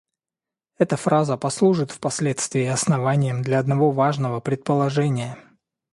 Эта фраза послужит впоследствии основанием для одного важного предположения.